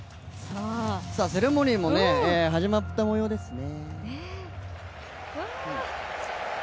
セレモニーも始まった模様ですね。